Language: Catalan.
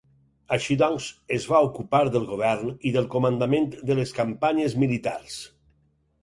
Així doncs, es va ocupar del govern i del comandament de les campanyes militars.